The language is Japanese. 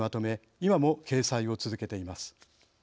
今も掲載を続けています。